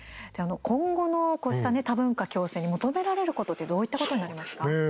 今後の、こうしたね多文化共生に求められることってどういったことになりますか？